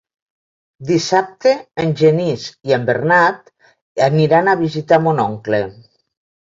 Dissabte en Genís i en Bernat aniran a visitar mon oncle.